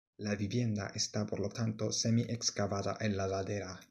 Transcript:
La vivienda esta por lo tanto semi excavada en la ladera.